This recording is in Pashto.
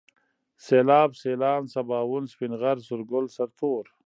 سيلاب ، سيلان ، سباوون ، سپين غر ، سورگل ، سرتور